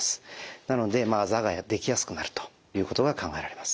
なのであざができやすくなるということが考えられます。